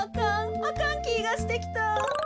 あかんきがしてきた。